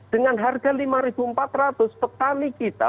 dengan harga lima empat ratus petani kita petani indonesia amat sangat bergaya